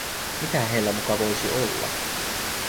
Mitä heillä muka voisi olla?